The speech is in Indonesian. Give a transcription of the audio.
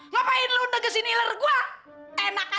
wuhuu gak kesianan gua